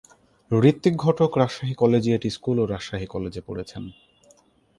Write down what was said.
Hrithik Ghatak Rajshahi collegiate school ও রাজশাহী কলেজে পড়েছেন।